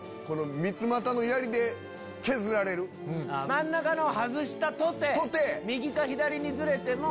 真ん中のを外したとて右か左にズレても。